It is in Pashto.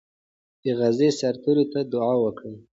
دې غازي سرتیري ته دعا وکړه.